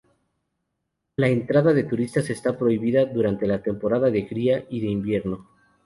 La entrada de turistas está prohibida durante la temporada de cría y de invierno.